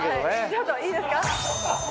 ちょっといいですか？